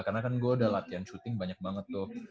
karena kan gue udah latihan shooting banyak banget tuh